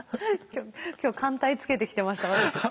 今日環帯つけてきてました私。